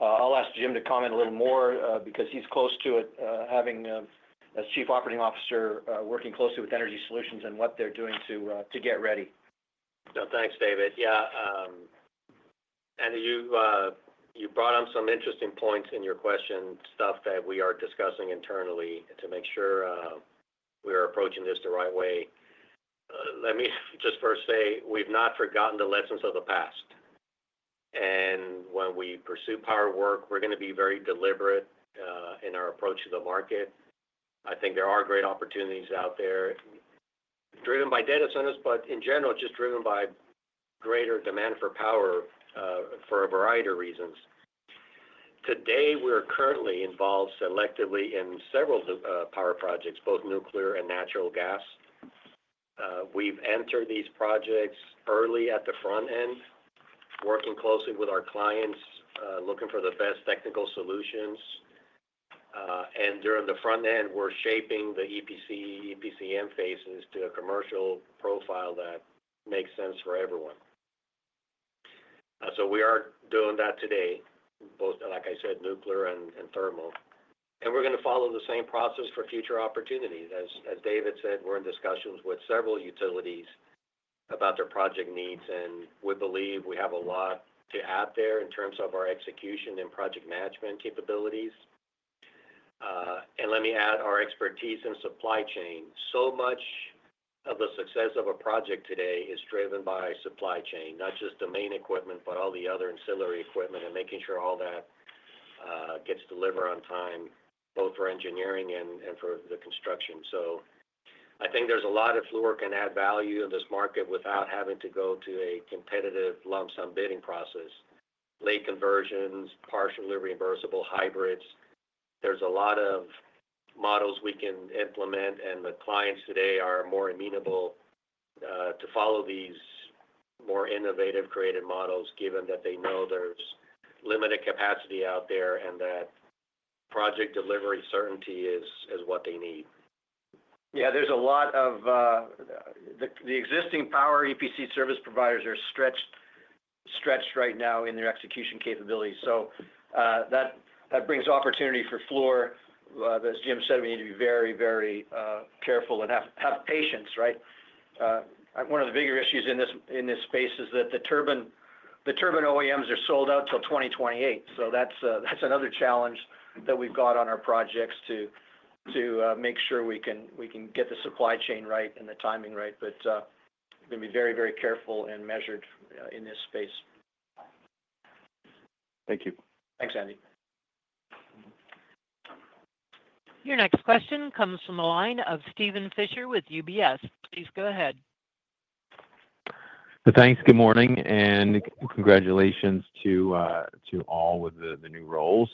I'll ask Jim to comment a little more because he's close to it, having, as Chief Operating Officer, working closely with Energy Solutions and what they're doing to get ready. No, thanks, David. Yeah. And you brought up some interesting points in your question, stuff that we are discussing internally to make sure we are approaching this the right way. Let me just first say we've not forgotten the lessons of the past. And when we pursue power work, we're going to be very deliberate in our approach to the market. I think there are great opportunities out there, driven by data centers, but in general, just driven by greater demand for power for a variety of reasons. Today, we're currently involved selectively in several power projects, both nuclear and natural gas. We've entered these projects early at the front end, working closely with our clients, looking for the best technical solutions. And during the front end, we're shaping the EPC, EPCM phases to a commercial profile that makes sense for everyone. So we are doing that today, both, like I said, nuclear and thermal. And we're going to follow the same process for future opportunities. As David said, we're in discussions with several utilities about their project needs. And we believe we have a lot to add there in terms of our execution and project management capabilities. And let me add our expertise in supply chain. So much of the success of a project today is driven by supply chain, not just the main equipment, but all the other ancillary equipment and making sure all that gets delivered on time, both for engineering and for the construction. So I think there's a lot of Fluor can add value in this market without having to go to a competitive lump sum bidding process, late conversions, partially reimbursable hybrids. There's a lot of models we can implement. And the clients today are more amenable to follow these more innovative creative models, given that they know there's limited capacity out there and that project delivery certainty is what they need. Yeah, there's a lot of the existing power EPC service providers are stretched right now in their execution capabilities. So that brings opportunity for Fluor. As Jim said, we need to be very, very careful and have patience, right? One of the bigger issues in this space is that the turbine OEMs are sold out till 2028. So that's another challenge that we've got on our projects to make sure we can get the supply chain right and the timing right. But we're going to be very, very careful and measured in this space. Thank you. Thanks, Andy. Your next question comes from the line of Steven Fisher with UBS. Please go ahead. Thanks. Good morning and congratulations to all with the new roles.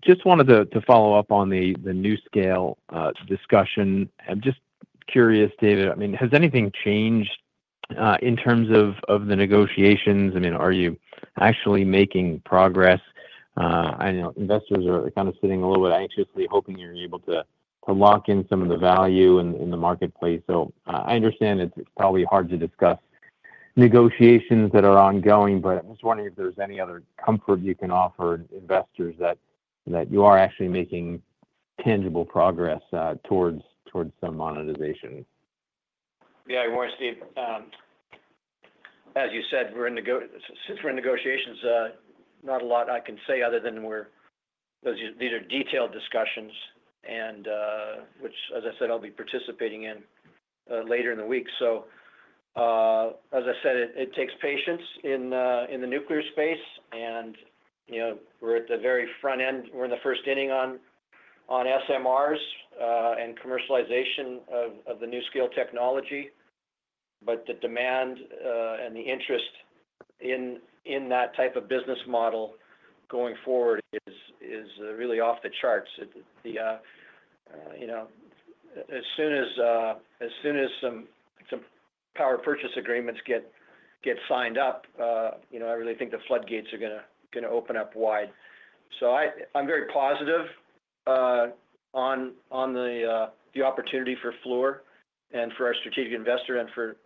Just wanted to follow up on the NuScale discussion. I'm just curious, David. I mean, has anything changed in terms of the negotiations? I mean, are you actually making progress? I know investors are kind of sitting a little bit anxiously hoping you're able to lock in some of the value in the marketplace, so I understand it's probably hard to discuss negotiations that are ongoing, but I'm just wondering if there's any other comfort you can offer investors that you are actually making tangible progress towards some monetization. Yeah. Good morning, Steve. As you said, since we're in negotiations, not a lot I can say other than these are detailed discussions, which, as I said, I'll be participating in later in the week. So as I said, it takes patience in the nuclear space. And we're at the very front end. We're in the first inning on SMRs and commercialization of the NuScale technology. But the demand and the interest in that type of business model going forward is really off the charts. As soon as some power purchase agreements get signed up, I really think the floodgates are going to open up wide. So I'm very positive on the opportunity for Fluor and for our strategic investor and for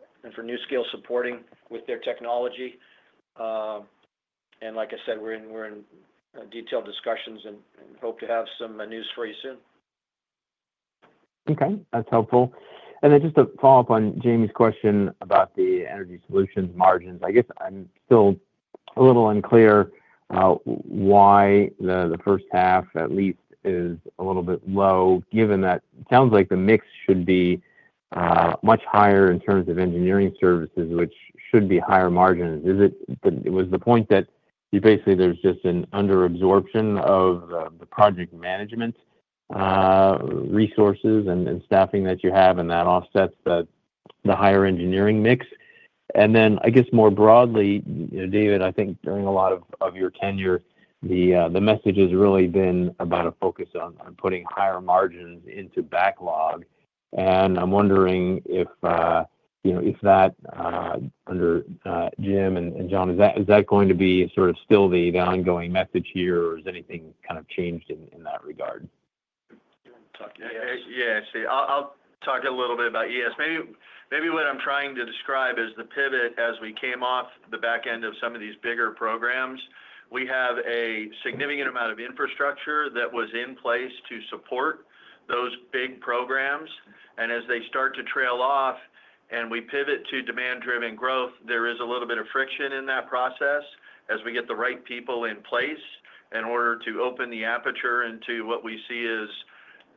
NuScale supporting with their technology. And like I said, we're in detailed discussions and hope to have some news for you soon. Okay. That's helpful. And then just to follow up on Jamie's question about the Energy Solutions margins, I guess I'm still a little unclear why the first half, at least, is a little bit low, given that it sounds like the mix should be much higher in terms of engineering services, which should be higher margins. Was the point that basically there's just an underabsorption of the project management resources and staffing that you have, and that offsets the higher engineering mix? And then, I guess, more broadly, David, I think during a lot of your tenure, the message has really been about a focus on putting higher margins into backlog. And I'm wondering if that, under Jim and John, is that going to be sort of still the ongoing message here, or has anything kind of changed in that regard? Yeah. I see. I'll talk a little bit about, yes. Maybe what I'm trying to describe is the pivot as we came off the back end of some of these bigger programs. We have a significant amount of Infrastructure that was in place to support those big programs. And as they start to trail off and we pivot to demand-driven growth, there is a little bit of friction in that process as we get the right people in place in order to open the aperture into what we see as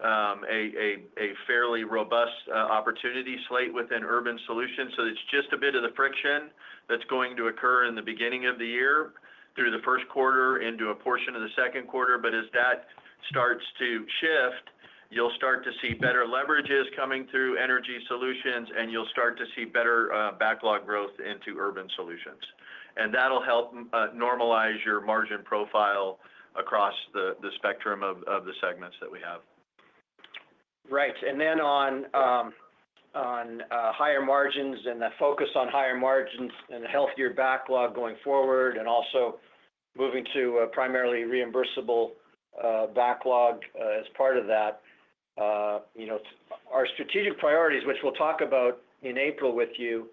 a fairly robust opportunity slate within Urban Solutions. So it's just a bit of the friction that's going to occur in the beginning of the year through the first quarter into a portion of the second quarter. But as that starts to shift, you'll start to see better leverages coming through Energy Solutions, and you'll start to see better backlog growth into Urban Solutions. And that'll help normalize your margin profile across the spectrum of the segments that we have. Right. And then on higher margins and the focus on higher margins and a healthier backlog going forward and also moving to a primarily reimbursable backlog as part of that, our strategic priorities, which we'll talk about in April with you,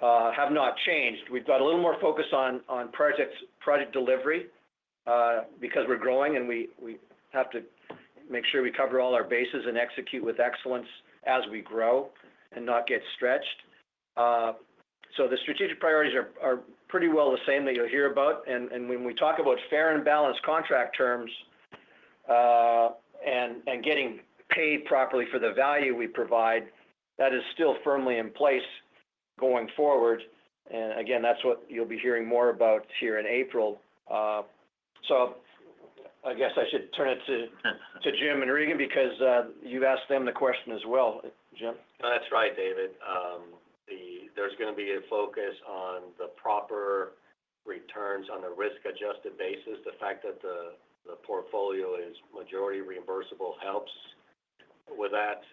have not changed. We've got a little more focus on project delivery because we're growing, and we have to make sure we cover all our bases and execute with excellence as we grow and not get stretched. So the strategic priorities are pretty well the same that you'll hear about. And when we talk about fair and balanced contract terms and getting paid properly for the value we provide, that is still firmly in place going forward. And again, that's what you'll be hearing more about here in April. So I guess I should turn it to Jim and Regan because you've asked them the question as well, Jim. That's right, David. There's going to be a focus on the proper returns on a risk-adjusted basis. The fact that the portfolio is majority reimbursable helps with that.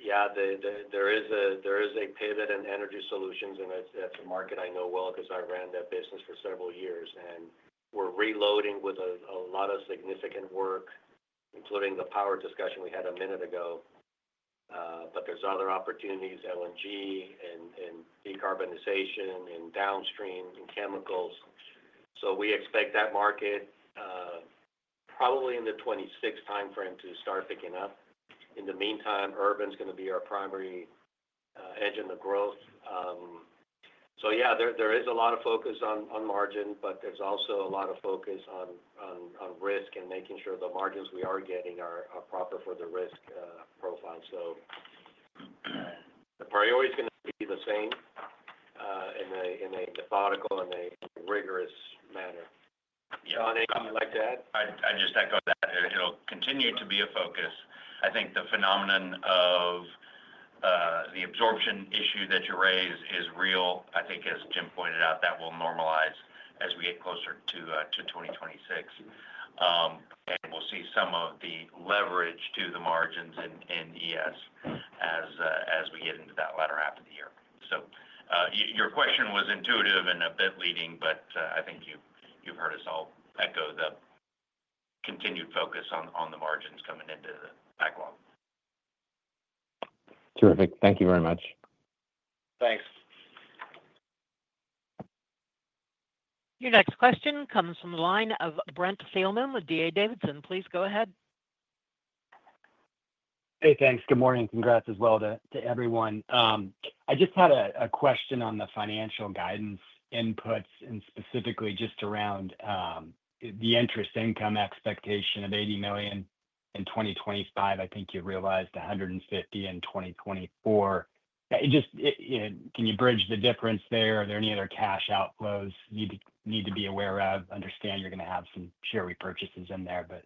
Yeah, there is a pivot in Energy Solutions, and that's a market I know well because I ran that business for several years. And we're reloading with a lot of significant work, including the power discussion we had a minute ago. But there's other opportunities, LNG and decarbonization and downstream chemicals. So we expect that market probably in the 2026 timeframe to start picking up. In the meantime, Urban is going to be our primary engine of growth. So yeah, there is a lot of focus on margin, but there's also a lot of focus on risk and making sure the margins we are getting are proper for the risk profile. So the priority is going to be the same in a methodical and a rigorous manner. John, anything you'd like to add? I just echo that. It'll continue to be a focus. I think the phenomenon of the absorption issue that you raise is real. I think, as Jim pointed out, that will normalize as we get closer to 2026. And we'll see some of the leverage to the margins in ES as we get into that latter half of the year. So your question was intuitive and a bit leading, but I think you've heard us all echo the continued focus on the margins coming into the backlog. Terrific. Thank you very much. Thanks. Your next question comes from the line of Brent Thielman with D.A. Davidson. Please go ahead. Hey, thanks. Good morning. Congrats as well to everyone. I just had a question on the financial guidance inputs and specifically just around the interest income expectation of $80 million in 2025. I think you realized $150 million in 2024. Can you bridge the difference there? Are there any other cash outflows you need to be aware of? I understand you're going to have some share repurchases in there, but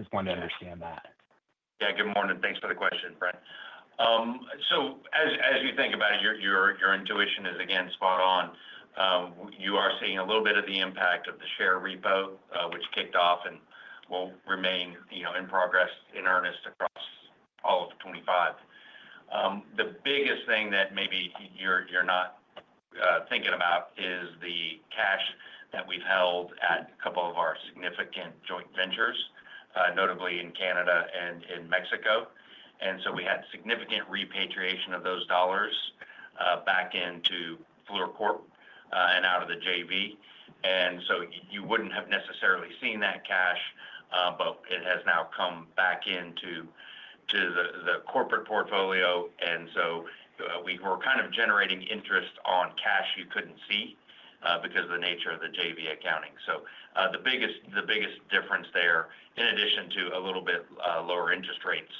just wanted to understand that. Yeah. Good morning. Thanks for the question, Brent. So as you think about it, your intuition is, again, spot on. You are seeing a little bit of the impact of the share repo, which kicked off and will remain in progress, in earnest across all of 2025. The biggest thing that maybe you're not thinking about is the cash that we've held at a couple of our significant joint ventures, notably in Canada and in Mexico. And so we had significant repatriation of those dollars back into Fluor Corp. and out of the JV. And so you wouldn't have necessarily seen that cash, but it has now come back into the corporate portfolio. And so we were kind of generating interest on cash you couldn't see because of the nature of the JV accounting. So the biggest difference there, in addition to a little bit lower interest rates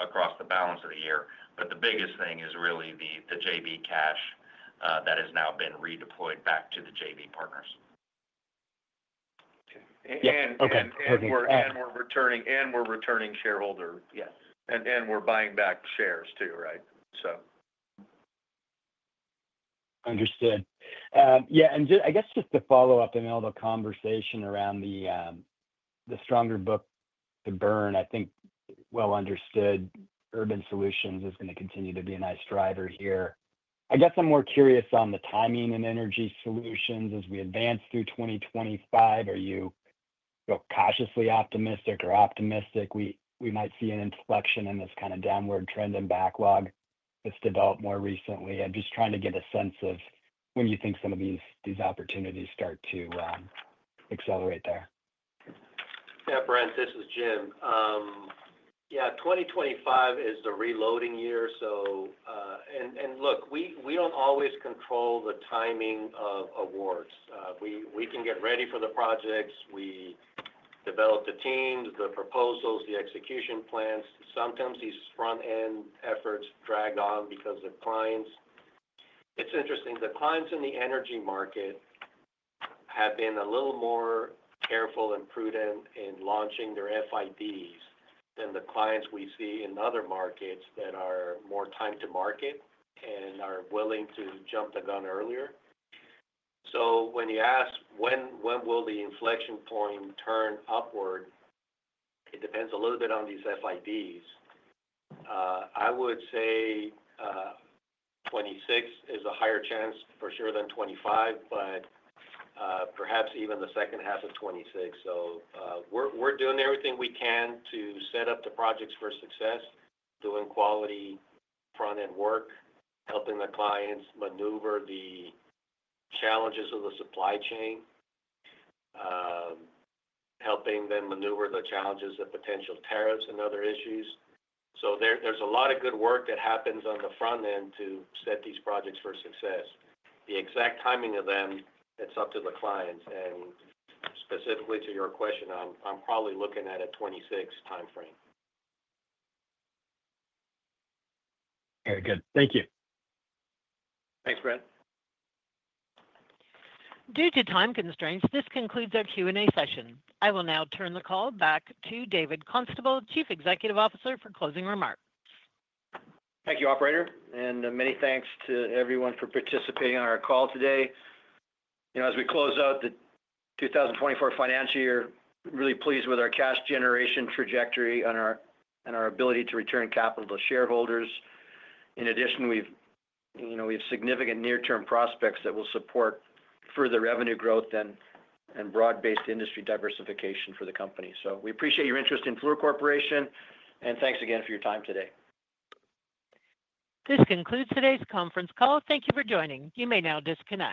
across the balance of the year, but the biggest thing is really the JV cash that has now been redeployed back to the JV partners. And we're returning shareholders. Yeah. And we're buying back shares too, right? So. Understood. Yeah, and I guess just to follow up in all the conversation around the stronger book-to-burn, I think, well understood, Urban Solutions is going to continue to be a nice driver here. I guess I'm more curious on the timing in Energy Solutions as we advance through 2025. Are you cautiously optimistic or optimistic we might see an inflection in this kind of downward trend in backlog that's developed more recently? I'm just trying to get a sense of when you think some of these opportunities start to accelerate there. Yeah, Brent, this is Jim. Yeah, 2025 is the reloading year. And look, we don't always control the timing of awards. We can get ready for the projects. We develop the teams, the proposals, the execution plans. Sometimes these front-end efforts drag on because of clients. It's interesting. The clients in the energy market have been a little more careful and prudent in launching their FIDs than the clients we see in other markets that are more time to market and are willing to jump the gun earlier. So when you ask when will the inflection point turn upward, it depends a little bit on these FIDs. I would say 2026 is a higher chance for sure than 2025, but perhaps even the second half of 2026. So we're doing everything we can to set up the projects for success, doing quality front-end work, helping the clients maneuver the challenges of the supply chain, helping them maneuver the challenges of potential tariffs and other issues. So there's a lot of good work that happens on the front end to set these projects for success. The exact timing of them, it's up to the clients. And specifically to your question, I'm probably looking at a 2026 timeframe. Very good. Thank you. Thanks, Brent. Due to time constraints, this concludes our Q&A session. I will now turn the call back to David Constable, Chief Executive Officer for closing remarks. Thank you, Operator. And many thanks to everyone for participating on our call today. As we close out the 2024 financial year, really pleased with our cash generation trajectory and our ability to return capital to shareholders. In addition, we have significant near-term prospects that will support further revenue growth and broad-based industry diversification for the company. So we appreciate your interest in Fluor Corporation. And thanks again for your time today. This concludes today's conference call. Thank you for joining. You may now disconnect.